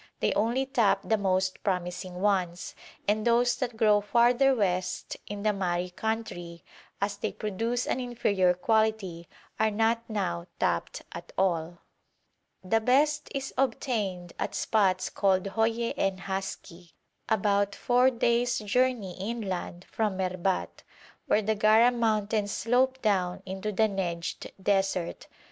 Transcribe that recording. They only tap the most promising ones, and those that grow farther west in the Mahri country, as they produce an inferior quality, are not now tapped at all. The best is obtained at spots called Hoye and Haski, about four days' journey inland from Merbat, where the Gara mountains slope down into the Nejd desert.